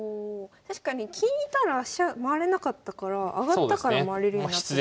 確かに金いたら飛車回れなかったから上がったから回れるようになったし。